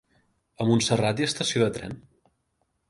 A Montserrat hi ha estació de tren?